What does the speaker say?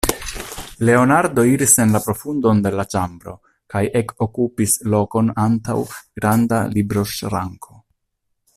Leonardo iris en la profundon de la ĉambro kaj ekokupis lokon antaŭ granda libroŝranko.